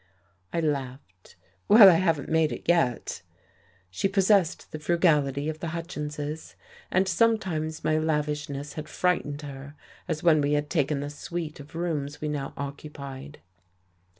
I laughed. "Well, I haven't made it yet." She possessed the frugality of the Hutchinses. And some times my lavishness had frightened her, as when we had taken the suite of rooms we now occupied.